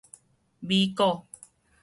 米果